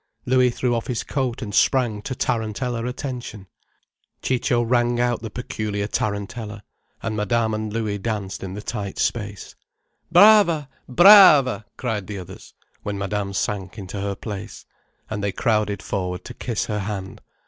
Louis threw off his coat and sprang to tarantella attention, Ciccio rang out the peculiar tarantella, and Madame and Louis danced in the tight space. "Brava—Brava!" cried the others, when Madame sank into her place. And they crowded forward to kiss her hand.